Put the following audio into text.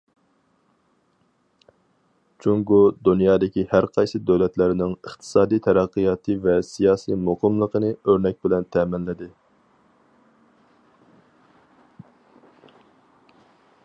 جۇڭگو دۇنيادىكى ھەرقايسى دۆلەتلەرنىڭ ئىقتىسادىي تەرەققىياتى ۋە سىياسىي مۇقىملىقىنى ئۆرنەك بىلەن تەمىنلىدى.